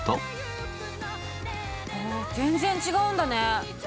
あ全然違うんだね。